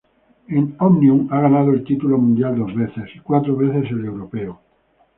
En ómnium ha ganado el título mundial dos veces y cuatro veces el europeo.